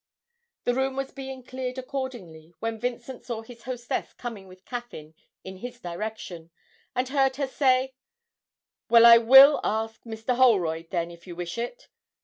The room was being cleared accordingly, when Vincent saw his hostess coming with Caffyn in his direction, and heard her say, 'Well, I will ask Mr. Holroyd then if you wish it!'